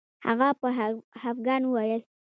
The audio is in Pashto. هغه په خفګان وویل